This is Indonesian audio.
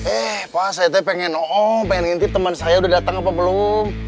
eh pak saya pengen ngintip teman saya sudah datang apa belum